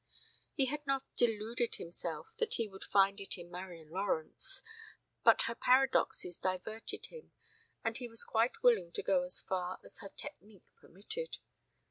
He had not deluded himself that he would find it in Marian Lawrence, but her paradoxes diverted him and he was quite willing to go as far as her technique permitted.